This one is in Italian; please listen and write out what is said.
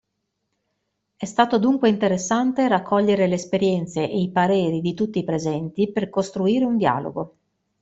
È stato dunque interessante raccogliere le esperienze e i pareri di tutti i presenti per costruire un dialogo.